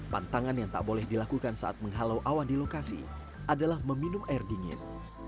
pantangan yang tak boleh dilakukan saat menghalau awan di lokasi adalah meminum air dingin